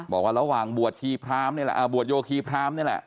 บอกว่าระหว่างบวชโยคีพร้ำนี่แหละ